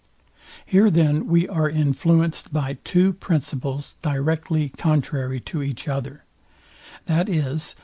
Here then we are influenced by two principles directly contrary to each other, viz.